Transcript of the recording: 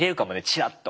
チラッと。